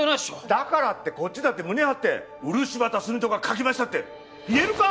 だからってこっちだって胸張って漆畑澄人が描きましたって言えるか！？